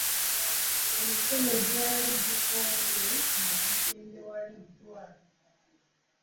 Emikono gyali jikooye nga jitendewaliddwa .